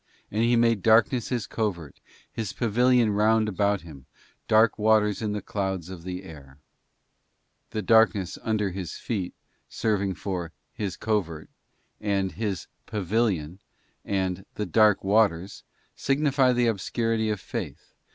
And He made darkness His covert, His pavilion round about Him, dark waters in the clouds of the air.'"} The darkness 'under His feet,' serving for ' His covert' and ' His pavilion,' and 'the dark waters,' signify the obscurity of faith, which * Hebr.